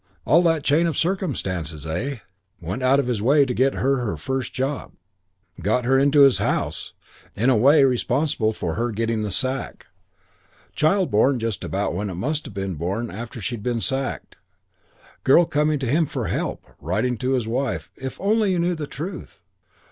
All that chain of circumstances, eh? Went out of his way to get her her first job. Got her into his house. In a way responsible for her getting the sack. Child born just about when it must have been born after she'd been sacked. Girl coming to him for help. Writing to his wife, 'If only you knew the truth.'